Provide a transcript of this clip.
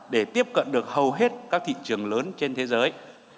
để tiếp cận được hầu hết các thị trường lớn trên thế giới